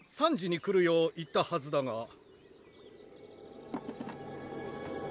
３時に来るよう言ったはずだが。